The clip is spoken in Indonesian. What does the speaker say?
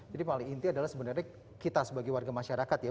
jadi paling inti adalah sebenarnya kita sebagai warga masyarakat ya